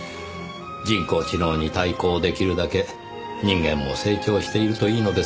人工知能に対抗出来るだけ人間も成長しているといいのですがねぇ。